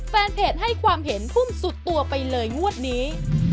แฟนเพจให้ความเห็นพุ่งสุดตัวไปเลยงวดนี้